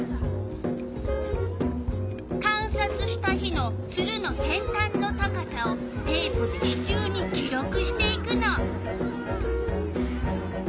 観察した日のツルの先端の高さをテープで支柱に記録していくの。